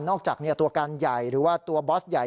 จากตัวการใหญ่หรือว่าตัวบอสใหญ่